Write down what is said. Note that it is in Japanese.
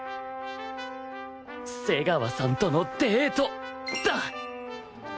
瀬川さんとのデートだ！